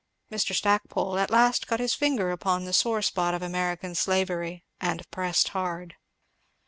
Mr. Stackpole at last got his finger upon the sore spot of American slavery, and pressed it hard.